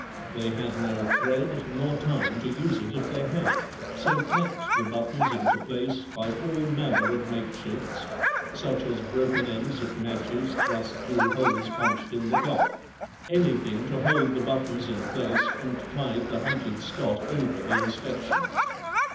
They had no thread nor time to use it if they had, so tacked the buttons into place by all manner of makeshifts, such as broken ends of matches thrust through holes punched in the cloth; anything to hold the buttons in place and tide the hunted Scott over the inspection.